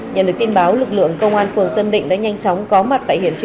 nhận được tin báo lực lượng công an phường tân định đã nhanh chóng có mặt tại hiển trí